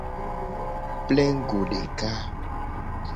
Plengugo deka.